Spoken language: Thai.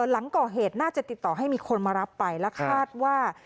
หลังก่อเหตุน่าจะติดต่อให้มีคนมารับไปและคาดว่า